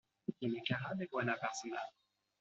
Tiene cara de buena persona.